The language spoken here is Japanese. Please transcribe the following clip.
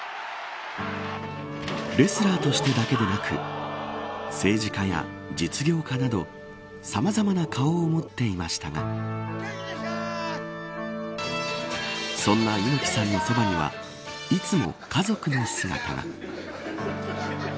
レスラーとしてだけでなく政治家や実業家などさまざまな顔を持っていましたがそんな猪木さんのそばにはいつも家族の姿が。